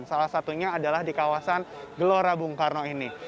salah satunya adalah di kawasan gelora bung karno ini